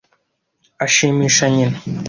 Ashimisha nyina.